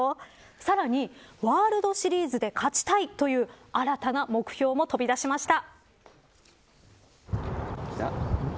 さらにワールドシリーズで勝ちたいという新たな目標も飛び出しました。